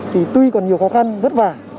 thì tuy còn nhiều khó khăn vất vả